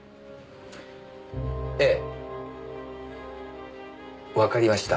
ええわかりました。